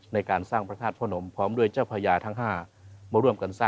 ในการสร้างพระธาตุพระนามพร้อมด้วยเจ้าพญาทั้งห้า